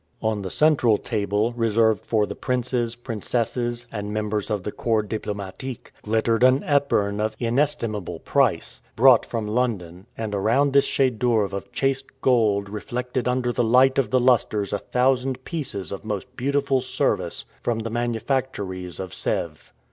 On the central table, reserved for the princes, princesses, and members of the corps diplomatique, glittered an epergne of inestimable price, brought from London, and around this chef d'oeuvre of chased gold reflected under the light of the lusters a thousand pieces of most beautiful service from the manufactories of Sevres.